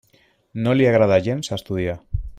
No li agrada gens estudiar.